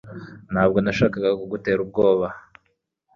Ntabwo nashakaga kugutera ubwoba